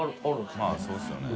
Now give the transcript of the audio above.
泙そうですよね。